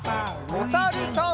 おさるさん。